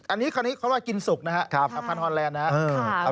อันนี้เขาเรียกว่ากินสุกนะครับอัพพันธ์ฮอลแลนด์นะครับ